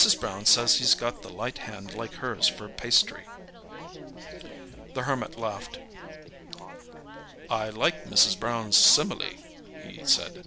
Brown says he's got the light hand like hers for pastry." The Hermit laughed. "I like Mrs. Brown's simile," he said.